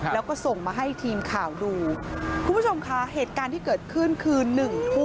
แล้วก็ส่งมาให้ทีมข่าวดูคุณผู้ชมค่ะเหตุการณ์ที่เกิดขึ้นคือหนึ่งทุ่ม